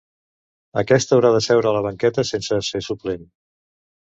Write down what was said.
Aquest haurà de seure a la banqueta sense ser suplent.